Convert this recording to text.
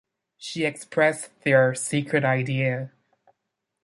She expressed their secret idea.